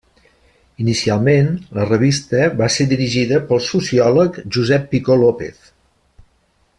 Inicialment, la revista va ser dirigida pel sociòleg Josep Picó López.